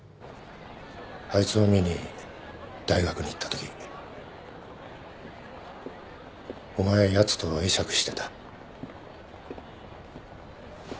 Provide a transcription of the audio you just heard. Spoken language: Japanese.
あいつを見に大学に行ったときお前はやつと会釈してた。